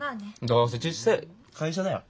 どうせ小せえ会社だよ。